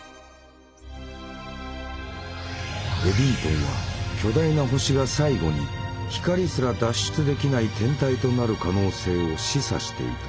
エディントンは巨大な星が最後に光すら脱出できない天体となる可能性を示唆していた。